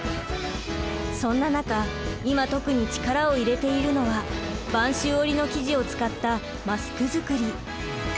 そんな中いま特に力を入れているのは播州織の生地を使ったマスク作り。